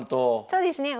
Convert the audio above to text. そうですね